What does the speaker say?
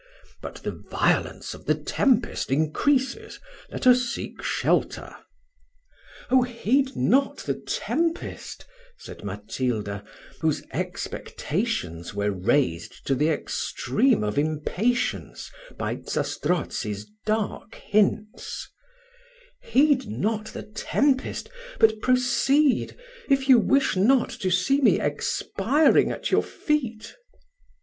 But the violence of the tempest increases let us seek shelter." "Oh! heed not the tempest," said Matilda, whose expectations were raised to the extreme of impatience by Zastrozzi's dark hints "heed not the tempest, but proceed, if you wish not to see me expiring at your feet."